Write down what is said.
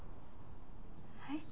はい？